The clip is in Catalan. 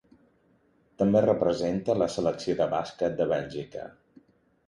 També representa la selecció de bàsquet de Bèlgica.